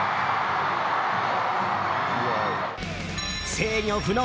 制御不能！